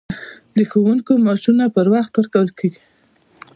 د ښوونکو معاشونه پر وخت ورکول کیږي؟